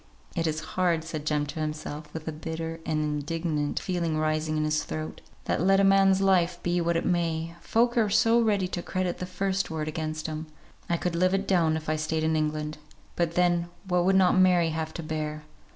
"It is hard," said Jem to himself, with a bitter and indignant feeling rising in his throat, "that let a man's life be what it may, folk are so ready to credit the first word against him. I could live it down if I stayed in England; but then what would not Mary have to bear?